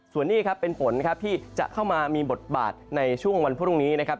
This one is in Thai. ส่วนนี้ครับเป็นฝนครับที่จะเข้ามามีบทบาทในช่วงวันพรุ่งนี้นะครับ